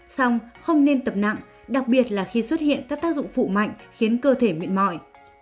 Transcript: xong không nên tập nặng đặc biệt là khi xuất hiện các tác dụng phụ mạnh khiến cơ thể mệt mỏi